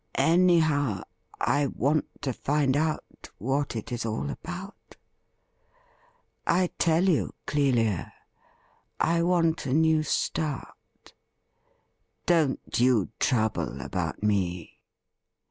Anyhow, I want to find out what it is all about. I tell you, Clelia, I want a new start. Don't you trouble about me.'